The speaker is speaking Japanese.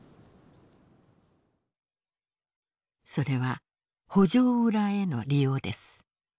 それは補助裏への利用です。